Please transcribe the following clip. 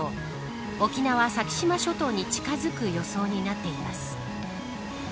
沖縄、先島諸島に近づく予想になっています。